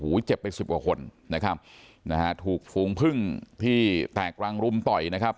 เจ็บไปสิบกว่าคนนะครับนะฮะถูกฝูงพึ่งที่แตกรังรุมต่อยนะครับ